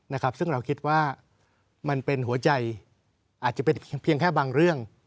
นะครับซึ่งเราคิดว่ามันเป็นหัวใจอาจจะเป็นเพียงแค่บางเรื่อง